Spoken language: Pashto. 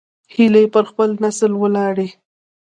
هیلۍ پر خپل نسل ویاړي